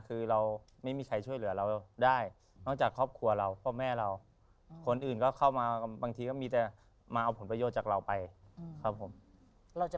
พ่ออาจจะลืมไปได้ฟันพงศิษย์ของราช